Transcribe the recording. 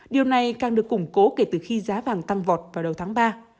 điều này càng được củng cố kể từ khi giá vàng tăng vọt vào đầu tháng ba